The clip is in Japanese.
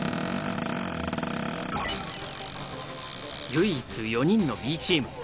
唯一４人のＢチーム。